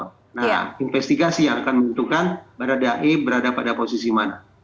nah investigasi yang akan menentukan mbak radha e berada pada posisi mana